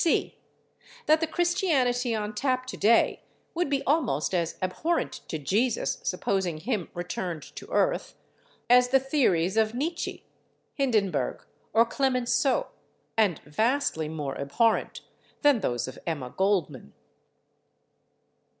(c) That the Christianity on tap to day would be almost as abhorrent to Jesus, supposing Him returned to earth, as the theories of Nietzsche, Hindenburg or Clemenceau, and vastly more abhorrent than those of Emma Goldman.